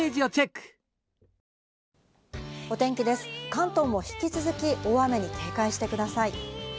関東も引き続き大雨に警戒してください。